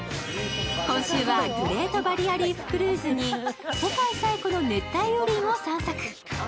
今週はグレートバリアリーフクルーズに世界最古の熱帯雨林を散策。